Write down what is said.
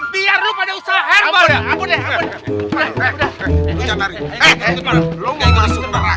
biar lu pada usaha herbal ya